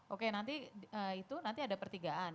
oke nanti itu nanti ada pertigaan